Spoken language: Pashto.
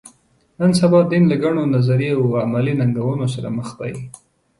نن سبا دین له ګڼو نظري او عملي ننګونو سره مخ دی.